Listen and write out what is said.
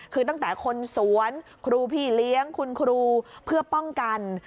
คือตั้งแต่คนสวนครูพี่เลี้ยงคุณครูเพื่อป้องกัน